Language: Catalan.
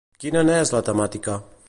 Quina n'és la temàtica?